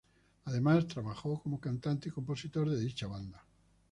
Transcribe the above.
Además, trabajó como cantante y compositor de dicha banda.